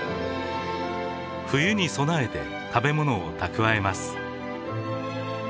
冬に備えて食べ物を蓄えます。